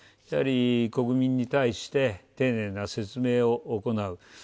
国民に対して丁寧な説明を行う。